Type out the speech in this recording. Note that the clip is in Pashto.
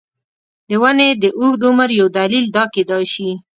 د ونې د اوږد عمر یو دلیل دا کېدای شي.